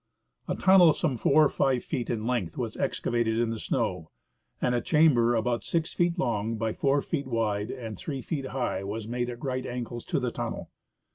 A tunnel some four or five feet in length was excavated in the snow, and a chamber about six feet long by four feet wide and three feet high was made at right angles to the tunnel.